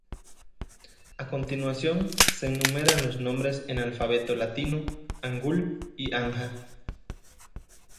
A continuación, se enumeran los nombres en alfabeto latino, Hangul y Hanja.